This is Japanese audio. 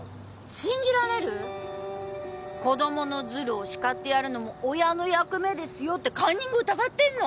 信じられる⁉「子供のズルを叱ってやるのも親の役目ですよ」ってカンニング疑ってんの！